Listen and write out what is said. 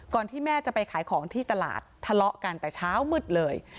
ที่แม่จะไปขายของที่ตลาดทะเลาะกันแต่เช้ามืดเลย